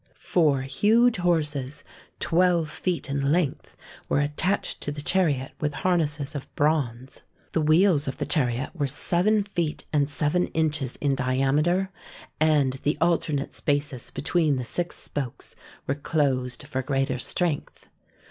Four huge horses twelve feet in length were attached to the chariot with harnesses of bronze. The wheels of the chariot were seven feet and seven inches in diameter, and the alternate spaces be tween the six spokes were closed for greater strength.